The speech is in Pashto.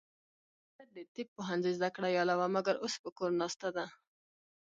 وږمه د طب پوهنځۍ زده کړیاله وه ، مګر اوس په کور ناسته ده.